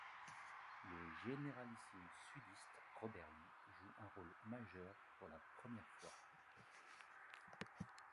Le généralissime sudiste Robert Lee joue un rôle majeur pour la première fois.